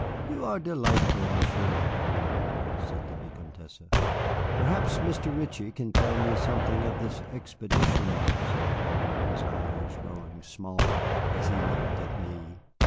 "You are delightful, Monsieur le Baron," said the Vicomtesse. "Perhaps Mr. Ritchie can tell me something of this expedition," said the Baron, his eyes growing smaller as he looked at me.